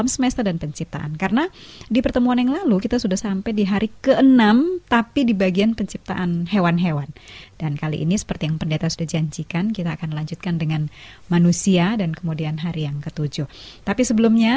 sebuah program yang dipersiapkan dengan seksama